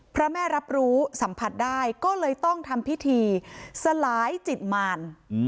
พระแม่รับรู้สัมผัสได้ก็เลยต้องทำพิธีสลายจิตมาร